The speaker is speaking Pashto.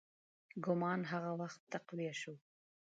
ګومان هغه وخت تقویه شو.